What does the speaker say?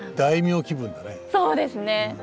そうですね。